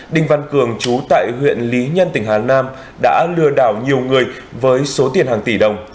đinh văn cường chú tại huyện lý nhân tỉnh hà nam đã lừa đảo nhiều người với số tiền hàng tỷ đồng